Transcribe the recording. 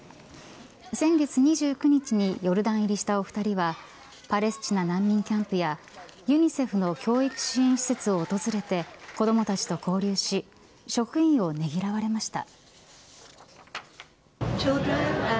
先月２９日にヨルダン入りしたお二人はパレスチナ難民キャンプやＵＮＩＣＥＦの教育支援施設を訪れて子どもたちと交流し職員をねぎらわれました。